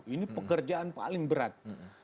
ini pekerjaan paling berat